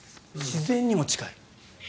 自然にも近い。